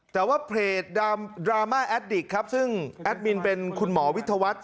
แต่ว่าเพจดราม่าแอดดิกครับซึ่งแอดมินเป็นคุณหมอวิทยาวัฒน์